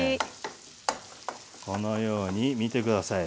このように見て下さい。